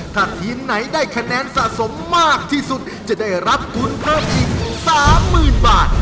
ถ้าทีมไหนได้คะแนนสะสมมากที่สุดจะได้รับทุนเพิ่มอีก๓๐๐๐บาท